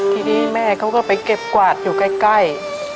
ทีนี้แม่เขาก็ไปเก็บกวาดอยู่ใกล้